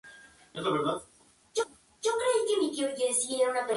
Para algunos, esta creencia implicaba cierta forma de reencarnación.